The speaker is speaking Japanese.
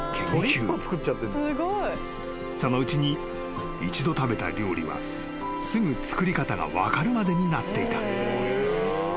［そのうちに一度食べた料理はすぐ作り方が分かるまでになっていた］